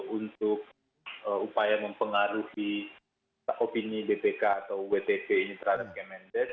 untuk upaya mempengaruhi opini bpk atau wtp ini terhadap kemendes